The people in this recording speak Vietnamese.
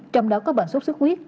trong đó có bệnh sốt sức huyết